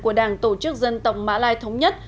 của đảng tổ chức dân tộc mã lai thống nhất